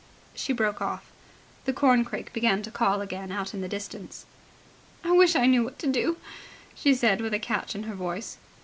..." She broke off. The corncrake began to call again out in the distance. "I wish I knew what to do," she said with a catch in her voice.